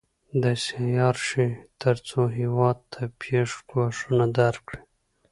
داسې عیار شي تر څو هېواد ته پېښ ګواښونه درک کړي.